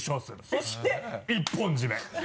そして一本締め！